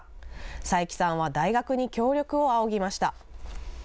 佐伯さんは大学に協力を仰ぎました。